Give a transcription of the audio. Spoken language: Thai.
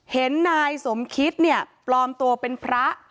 เห็นนายสมคิดเนี่ยปลอมตัวเป็นพระ